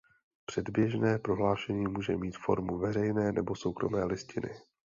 Předběžné prohlášení může mít formu veřejné nebo soukromé listiny.